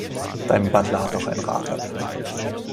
Dein Butler hat doch ein Rad ab.